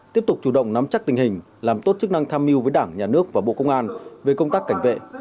tiếp tục chủ động nắm chắc tình hình làm tốt chức năng tham mưu với đảng nhà nước và bộ công an về công tác cảnh vệ